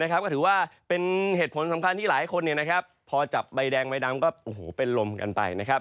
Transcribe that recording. ก็ถือว่าเป็นเหตุผลสำคัญที่หลายคนพอจับใบแดงใบดำก็เป็นลมกันไป